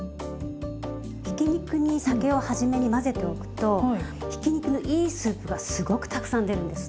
ひき肉に酒をはじめに混ぜておくとひき肉のいいスープがすごくたくさん出るんです。